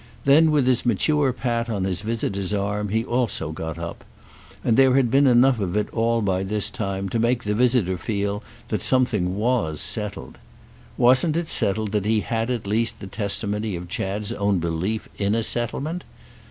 Then with his mature pat of his visitor's arm he also got up; and there had been enough of it all by this time to make the visitor feel that something was settled. Wasn't it settled that he had at least the testimony of Chad's own belief in a settlement?